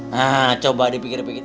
nah coba dipikir pikir